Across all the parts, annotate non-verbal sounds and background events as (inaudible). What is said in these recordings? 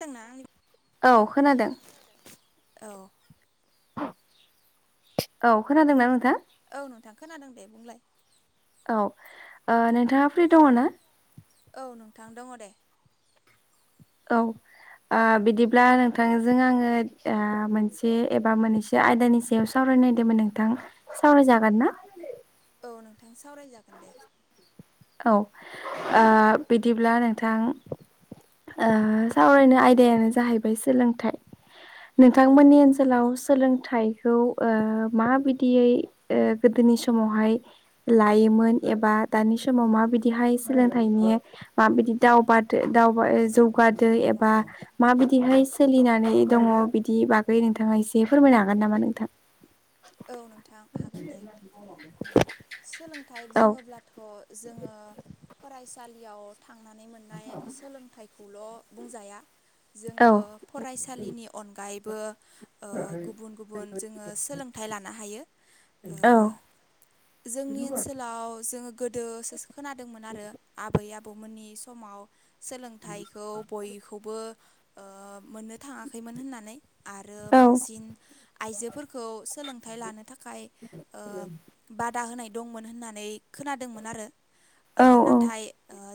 खोनादोंना आंनि औ खोनादों। औ औ खोनादोंना नोंथां? औ नोंथां खोनादों दे बुंलाय औ ओ नोंथांङा फ्रि दंङना? औ नोंथां दंङ दे औ बिदिब्ला नोंथांजों आंङो मोनसे एबा मोनसे आयदानि सायाव सावराय नायदोंमोन नोंथां सावरायजागोन ना? औ नोंथां सावरायजागोन दे औ आ बिदिब्ला नोंथां ओ सावरायनाय आयदायानो जाहैबाय सोलोंथाइ औ नोंथांमोननि ओनसोलाव सोलों थाइखौ ओ माबायदियै ओ गोदोनि समावहाय लायोमोन एबा दानि समाव माबायदिहाय सोलोंथाइनि माबायदि दावगादो दाव बोरै जौगादो एबा माबायदिहाय सोलिनानै दंङ बिदि बागै नोंथांङा एसे एसे फोरमायनो हागोन नामा नोंथां? औ नोंथां हागोन दे औ सोलों नाथाय औ बुंङोब्लाथ' जोंङो फरायसालियाव थांनानै मोननाय सोलोंथाइखौल' बुंजाया औ जोंङो फरायसालिनि अनगायैबो ओ गुबुन गुबुन जोंङो सोलोंथाइ लानो हायो। औ जोंनि ओनसोलाव जोंङो गोदोसोसो खोनादोंमोन आरो आबै आबौ आबौमोननि समाव सोलोंथाइखौ बयखौबो ओ मोननो थांङाखैमोन होननानै आरो औ बांसिन आइजोफोरखौ सोलोंथाइ लानो थाखाय बादा होनाय दंमोन होननानै खोनादोंमोन आरो औ नाथाय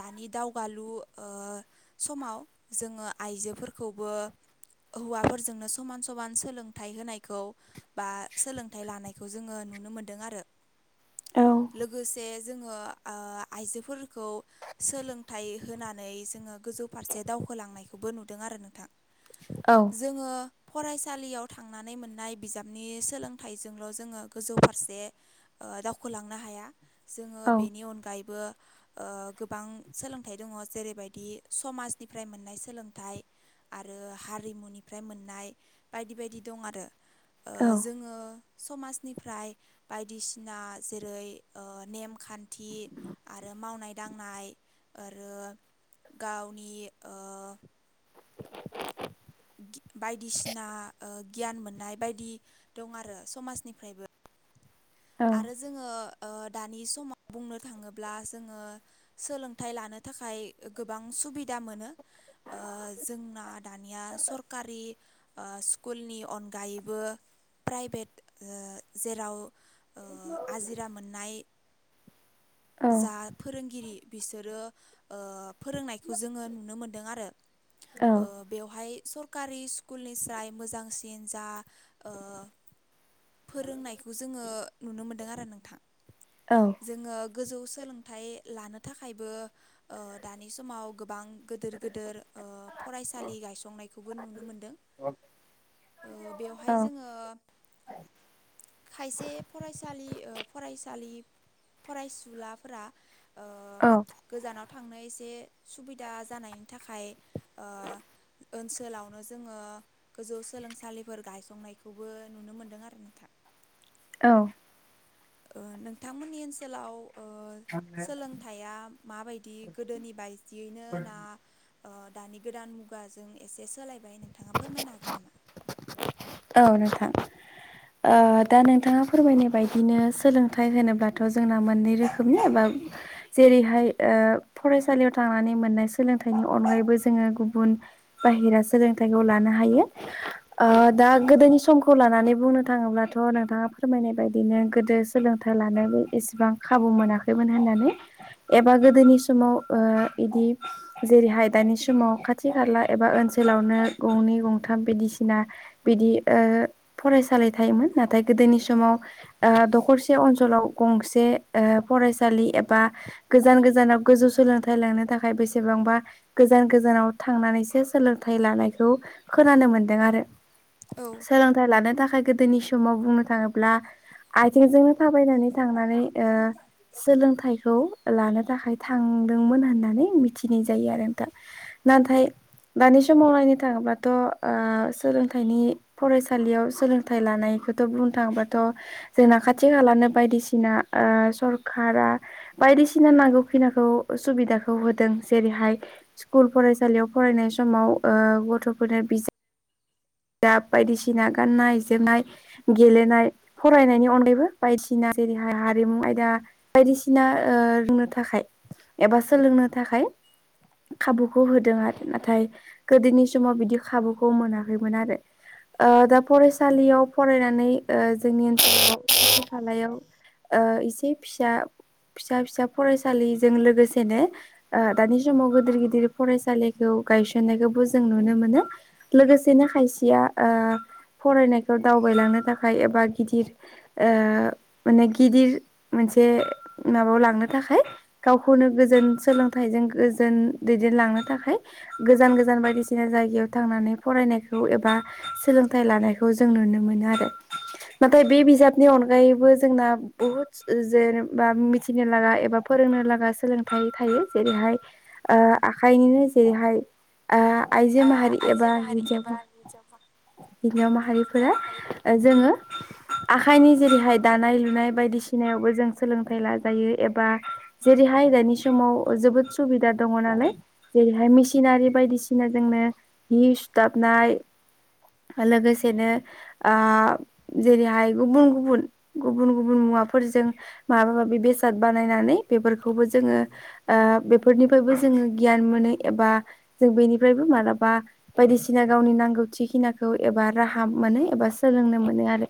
दानि दावगालु समाव जोंङो आइजोफोरखौबो हौवाफोरजोंनो समान समान सोलोंथाइ होनायखौ। बा सोलोंथाइ लानायखौ जोंङो नुनो मोनदों आरो। औ लोगोसे जोंङो ओ आइजोफोरखौ सोलोंथाइ होनानै जोंङो। गोजौ फारसे दावखोलांनायखौबो नुदों आरो नोंथां। औ जोंङो फरायसालियाव थांनानै मोननाय बिजाब। नि सोलोंथाइजोंल' जोंङो गोजौ फारसे दावखोलांनो हाया। जोंङो औ बेनि अनगायैबो गोबां सोलोंथाइ दंङ जेरैबायदि समाजनिफ्राय मोननाय सोलोंथाइ। आरो हारिमुनिफ्राय मोननाय बायदि बायदि दं आरो जोंङो। समाजनिफ्राय बायदिसिना जेरै नेमखान्थि थि आरो मावनाय दांनाय आरो गावनि ओ बायदिसिना गियान मोननाय बायदि दं आरो समाजनिफ्रायबो। औ आरो जोंङो। ओ दानि समाव बुंनो थांङोब्ला जोंङो सोलोंथाइ लानो थाखाय गोबां सम। सुबिदा मोनो जोंना दानिया सरकारि स्कुलनि नि अनगायैबो प्राइभेट ओ जेराव आजिरा मोननाय। जा फोरोंगिरि बिसोरो फोरोंनायखौ जोंङो नुनो मोनदों आरो बेवहाय सरकारि स्कुलनिफ्राय मोजांसिन जा फोरोंनायखौ जोंङो नुनो मोनदों आरो नोंथां जोंङो। गोजौ सोलोंथाइ लानो थाखायबो दानि समाव गोबां गिदोर गिदोर फरायसालि गायसंनायखौबो नुनो मोनदों। औ बेवहाय जोङो खायसे फरासालि ओ फरायसालि फरायस लाफोरा औ थांनो एसे सुबिदा जानायनि थाखाय ओनसोलावनो जोङो। गोजौ सोलोंसालिफोर गायसंनायखौबो नुनो मोनदों आरो नोंथां। औ। नोंथांमोननि ओनसोलाव सोलोंथाइया माबायदि गोदोनि बायदियैनो ना दानि गोदान मुगाजों एसे सोलायबाय नोंथाङा फोरमायनो हागोन नामा? औ नोंथां। दा नोंथाङा फोरमायनाय बायदिनो सोलोंथाइ होनोब्लाथ' जोंना मोननै रोखोमनि एबा। जेरैहाय फरायसालियाव थांनानै मोननाय सोलोंथाइनि अनगायैबो जोङो गुबुन बाहेरा सोलोंथाइखौ लानो हायो। दा गोदोनि समखौ लानानै बुंनो थाङोब्लाथ' नोंथाङा फोरमायनाय बायदिनो गोदो सोलोंथाइ लानो। एसेबां खाबु मोनाखैमोन होननानै एबा गोदोनि समाव बिदि जेरैहाय दानि समाव खाथि खाला एबा ओनसोलव ओनसोलावनो गंनै गंथाम बायदिसिना बिदि फरायसालि थायोमोन नाथाय गोदोनि समाव दखरसे ओनसोलाव। गंसे फरायसालि एबा गोजान गोजानाव गोजौ सोलोंथाइ लांनो थाखाय बेसेबांबा गोजान गोजानाव थांनानैसो सोलोंथाइ लानायखौ खोनानो मोनदों आरो। औ सोलोंथाइ लानो थाखाय गोदोनि समाव बुंनो थाङोब्ला। आथिंजोंनो थाबायनानै थांनानै ओ सोलोंथाइखौ लानो थाखाय थांदोंमोन होननानै मिथिनाय जायो आरो नोंथां नाथाय दानि समाव नायनो थाङोबाथ' सोंलोंथाय नायनि फरायसालियाव सोलोंथाइ लानायखौथ' बुंनो थाङोबाथ' जोंना खाथि खालानो बायदि बायदिसिना सरखारा बायदिसिना नांगौ खिनाखौ सुबिदाखौ होदों जे जेरैहाय स्कुल फरायसालियाव फरायनाय समाव गथ'फोरनो बिजा (inaudible) दा बायदिसिना गाननाय जोमनाय गेलेनाय फरायनायनि अनगायैबो बायदिसिना जेरै हारिमु आयदा बायदिसिना रोंनो थाखाय एबा सोलोंनो थाखाय खाबुखौ होदों आरो नाथाय गोदोनि समाव बिदि खाबुखौ मोनाखैमोन आरो दा ओ फरायसालियाव फरायनानै जोंनि ओनसोलाव खाथि खालायाव एसे फिसा फिसा फिसा फरायसालिजों लोगोसेनो दानि समाव गिदिर गिदिर फरायसालिखौ गायसननायखौबो जों नुनो मोनो लोगोसेनो खायसेया फरायनायखौ दावबायलांनो थाखाय एबा गिदिर माने गिदिर मोनसे माबायाव लांनो थाखाय गावखौनो गोजोन सोलोंथाइजों गोजोन दैदेनलां नो थाखाय गोजांन गोजान बायदिसिना जायगायाव थांनानै फरायनायखौ एबा सोलोंथाइ लानायखौ जों नुनो मोनो आरो नाथाय बे बिजाबनि अनगायैबो जोंना बुहुत जेनेबा मिथिनो लागा एबा फ फोरोंनो लागा सोलोंथाइ थायो जेरैहाय आखाइनिनो जेरैहाय आइजो माहारि आइजो एबा माहारि हिनजाव एबा माहारिफोरा जोङो (inaudible) आखाइनि जेरैहाय दानाय लुनाय बायदिसिनायावबो जों सोलोंथाइ लाजायो एबा जेरै हाय दानि समाव जोबोद सुबिदा दङ नालाय जेरैहाय मेसिनारि बायदिसिना जोंनो हि सुथाबननाय लोगोसेनो ओ जेरैहाय गुबुन गुबुन गुबुन गुबुन मुवाफोरजों माबा माबि बेसाद बानायनानै बेफोरखौबो जोंङो ओ बेफोरनिफ्रायबो जोङो गियान मोनो एबा जों बैनिफ्रायबो मालाबा बायदिसिना गावनि नांगौथिखिनाखौ एबा राहा मोनो एबा सोलोंनो मोनो आरो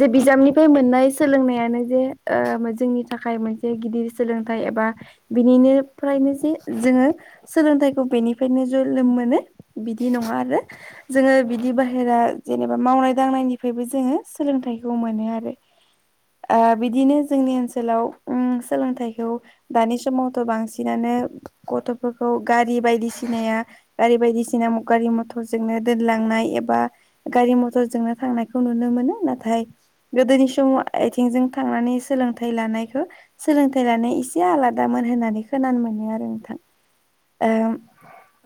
जे बि जाबनिफ्राय मोननाय सोलोंनायानो जे ओ जोंनि थाखाय मोनसे गिदिर सोलोंथाइ एबा- बिनिनिफ्रायनो जे जोङो सोलोंथाइखौ बेनिफ्रायनो ज' लोम मोनो बि दि नङा आरो जोङो बिदि बाहेरा जेनेबा मावनाय दांनायनिफ्रायबो जोङो सोलोंथाइखौ मोनो आरो ओ बिदिनो जोंनि ओनसोलाव उम सोलोंथाइखौ दानि समावथ' बांसिनानो गथ'फोरखौ गारि बायदिसिनाया गारि बायदिसिना गारि मथरजोंनो दोनलांनाय एबा गारि मथरजोंनो थांनायखौ नुनो मोनो नाथाय गोदोनि समाव आथिंजों थांनानै सोलोंथाइ लानायखौ सोलोंथाइ लानाया इसे आलादा मो मोन होननानै खोनानो मोनो आरो नोंथां ओ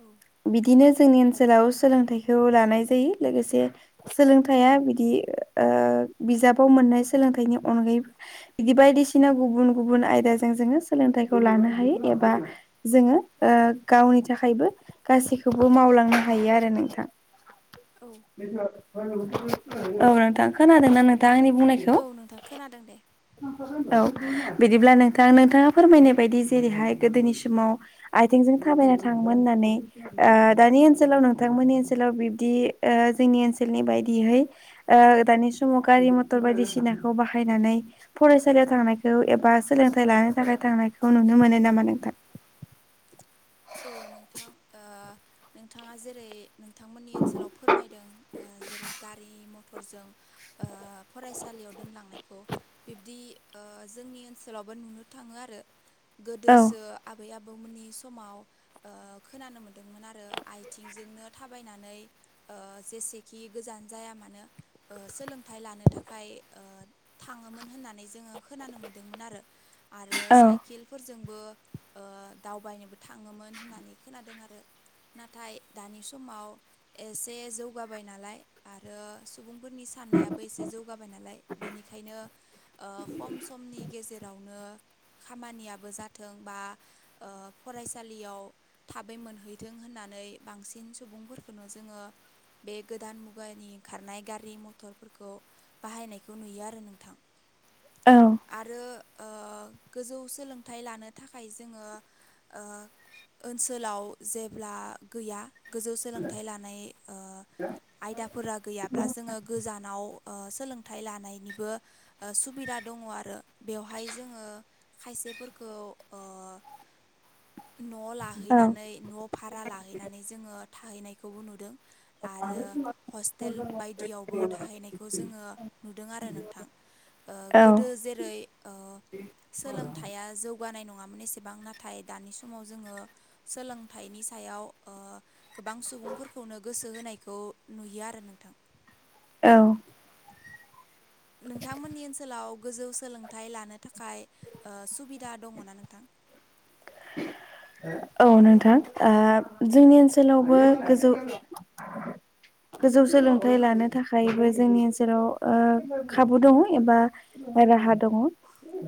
औ बिदिनो जोंनि ओनसो लाव सोलोंथाइखौ लानाय जायो लोगोसे सोलोंथाइया बिदि ओ बिजाबाव मोननाय सोलोंथाइनि अनगायै बिदि बायदिसिना गुबुन गुबुन आयदाजों जोङो सोलोंथाइखौ लानो हायो एबा जोङो गावनि थाखायबो गासैखौबो मावलांनो हायो आरो नोंथां औ औ नोंथां खोनादों ना नों थां आंनि बुंनायखौ औ नोंथां खोनादों दे औ बिदिब्ला नोंथां नोंथाङा फोरमायनाय बायदि जेरैहाय गोदोनि समाव आथिंजों थाबायना था ङोमोन होननानै दानि ओन सोलाव नोंथांमोननि ओनसोलाव बिबदि ओ जोंनि ओनसोलनि बायदियै ओ दानि समाव गा रि मथर बायदिसिनाखौ बाहायनानै फरायसालियाव थांनायखौ एबा सोलोंथायाइ लानो थाखाय थांनाय खौ नुनो मोनो नामा नोंथां? औ नोंथां ओ नोंथाङा जेरै नोंथांमोननि ओनसोलाव फोरमायदों जेरै गारि म टरजों ओ फरायसालियाव दोनलांनायखौ बिब्दि जोंनि ओनसोलाव माबा नुनो थाङो आरो गोदोसो औ आबै आबौमोननि समाव ओ खोनानो मोनदोंमोन आरो आथिंजोंनो थाबायनानै जेसेखि गोजान जाया मानो ओ सोलोंथाइ लानो थाखाय ओ थाङोमोन होननानै जोङो खोनानो मोन्दोंमोन आरो आरो औ साइकेलफोरजोंबो ओ दावबायनोबो थ थाङोमोन होननानै खोनादों आरो नाथाय दानि समाव एसे जौगाबायना नालाय आरो सुबुं फोरनि साननायाबो एसे जौगाबाय नालाय बेनिखायनो ओ खम समनि गेजेरावनो खामानियाबो जाथों बा ओ फरायसालियाव थाबै मोनहैथों होननानै बांसिन सुबुंफोरखौनो जोङो बे गोदान मुगानि खारनाय गारि मथरफोरखौ बाहायनायखौ नुयो आरो नोंथां। औ आरो ओ गोजौ सोलोंथाइ लानो थाखाय जोङो ओ ओनसोलाव जेब्ला गैया गोजौ सोलोंथाइ लानाय आयदाफोरा गैयाब्ला जोङो गोजान नाव ओ सोलोंथाइ लानायनिबो सुबिदा दङ आरो बेवहाय जोङो खायसेफोरखौ अ न' औ लाहैनानै न' भारा लाहैनानै जोङो थाहैनायखौबो नुदों आरो हस्टेल बायदियावबो थाहैनायखौ जोङो नुदों आरो नोंथां ओ औ गोदो जेरै ओ सोलोंथाइया जौगानाय नङामोन एसेबां ना थाय दानि समाव जोङो सोलोंथाइनि सायाव गोबां सुबुंफोरखौनो गोसो सो होनायखौ नुयो आरो नोंथां। औ नोंथांमोननि ओनसोलाव गोजौ सोलोंथाइ लानो थाखाय ओ सुबिदा दङ ना नोंथां? (inaudible) (unintelligible) औ नोंथां जोंनि ओनसोलावबो गोजौ (inaudible) (unintelligible) गोजौ सोलोंथाइ लानो थाखायबो जोंनि ओनसोलाव खाबु दङ एबा राहा दङ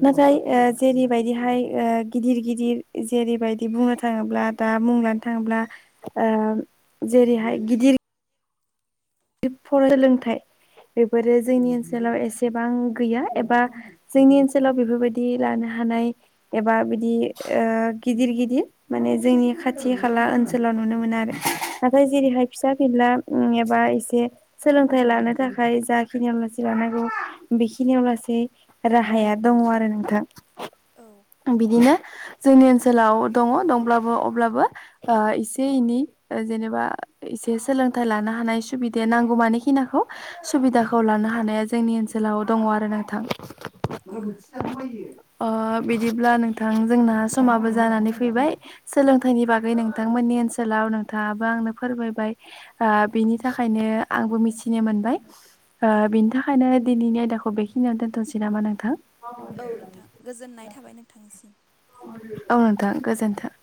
नाथाय जेरैबायदिहाय गिदिर गिदिर जेरैबायदि बु थाङोब्ला दा मुं लानो थाङोब्ला जेरैहाय गिदिर फराय सोलोंथाइ बेफोरो जोंनि ओनसोलाव एसेबां गैया एबा जोंनि ओनसोलाव बेफोरबायदि लानो हा हानाय एबा बिदि गिदिर गिदिर माने जोंनि खाथि खाला ओनसोलाव नुनो मोन आरो नाथाय जेरैहाय फिसा फिला एबा सोलोंथाइ लानो थाखाय जाखिनियाव लासै लानांगौ बेखिनियाव लासै राहा गाहाया दङ आरो नोंथां औ बिदिनो जोंनि ओनसोलाव दङ दंब्लाबो अब्लाबो एसे एनै जेनेबा एसे सोलोंथाइ लानो हानाय सम सुबिदाया नांगौमानिखिनिखौ सुबिदाखौ लानो हानाया जोंनि ओनसोलाव दङ आरो नोंथां औ (unintelligible) (inaudible) ओ बिदिब्ला नोंथां जोंना समाबो जानानै फैबाय सोलोंथाइनि बागै नोंथांमोन ओनसोलाव नोंथाङाबो आंनो फोरमायबाय बिनि थाखायनो आंबो मिथिनो मोनबाय औ बिनि थाखायनो दिनैनि आयदाखौ बेखिनियाव दोनथनोसै नामा नोंथां औ नोंथां गोजोननाय थाबाय नोंथांनिसिम औ नोंथां गोजोनथों